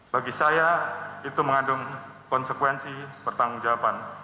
bagi saya itu mengandung konsekuensi pertanggung jawaban